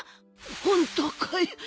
本当かい？